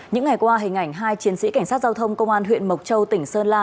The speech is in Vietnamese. những ngày qua hình ảnh hai chiến sĩ cảnh sát giao thông công an huyện mộc châu tỉnh sơn la